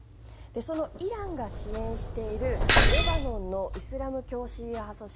そのイランが支援しているレバノンのイスラム教シーア派組織